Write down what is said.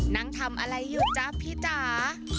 นั่งทำอะไรอยู่จ๊ะพี่จ๋า